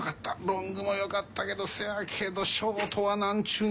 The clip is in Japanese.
ロングも良かったけどせやけどショートは何ちゅうんやろ。